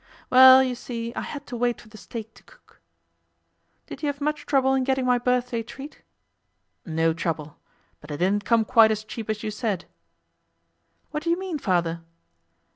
'Well, you see, I had to wait for the steak to cook.' 'Did you have much trouble in getting my birthday treat?' 'No trouble. But it didn't come quite as cheap as you said.' 'What do you mean, Father?